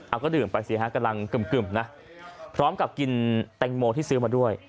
เอาก็ดื่มไปสิฮะกำลังกึ่มนะพร้อมกับกินแตงโมที่ซื้อมาด้วย